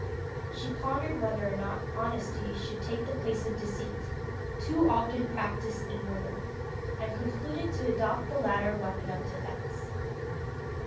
She pondered whether or not honesty should take the place of deceit too often practised in women and concluded to adopt the latter weapon of defence.